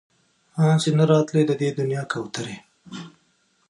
ان چې نه راتلی د دې دنيا کوترې